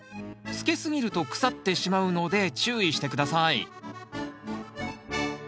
つけすぎると腐ってしまうので注意して下さい。